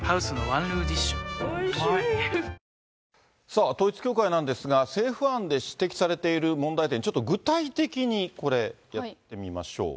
さあ、統一教会なんですが、政府案で指摘されている問題点、ちょっと具体的にこれ、やってみましょう。